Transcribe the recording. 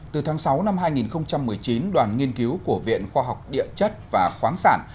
từ tháng sáu năm hai nghìn một mươi chín đoàn nghiên cứu của viện khoa học địa chất và khoáng sản